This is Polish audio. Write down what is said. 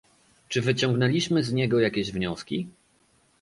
Czy wyciągnęliśmy z niego jakieś wnioski?